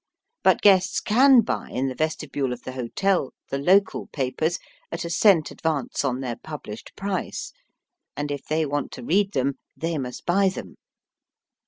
But guests can buy in the vestibule of the hotel the local papers at a cent advance on their pubUshed price, and if they want to read them they must buy them.